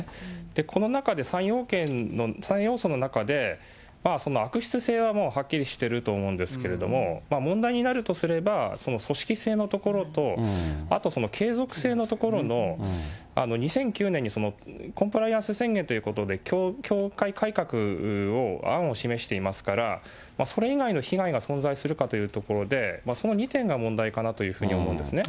この中で、３要素の中で、悪質性はもうはっきりしていると思うんですけれども、問題になるとすれば、組織性のところと、あと継続性のところの２００９年にコンプライアンス宣言ということで、教会改革を、案を示していますから、それ以外の被害が存在するかというところで、その２点が問題かなというふうに思うんですね。